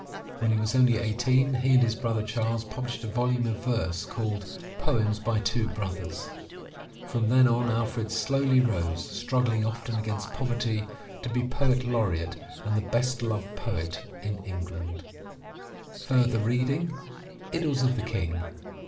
When he was only eighteen he and his brother Charles published a volume of verse called, Poems by Two Brothers, From then on, Alfred slowly rose, struggling often against poverty, to be Poet Laureate and the best loved poet in England. Idylls of the King.